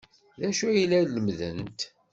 D acu ay la lemmdent?